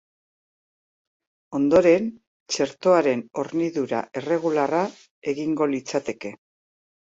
Ondoren, txertoaren hornidura erregularra egingo litzateke.